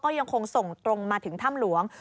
ยังคงส่งตรงมาถึงถ้ำหลวง